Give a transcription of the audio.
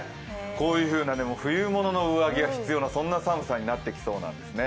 こういう冬物の上着が必要な寒さになってきそうなんですね。